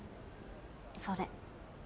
それ。